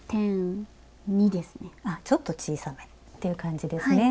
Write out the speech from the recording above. あっちょっと小さめっていう感じですね。